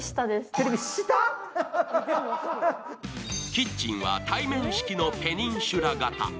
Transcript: キッチンは対面式のペニンシュラ型。